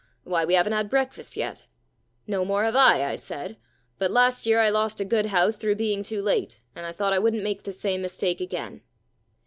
Why, we haven't had breakfast yet.'* *" No more have I," I said. " But last year I lost a good house through being too late, and I thought I wouldn't make the same mistake again."